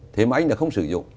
thế mà anh đã không sử dụng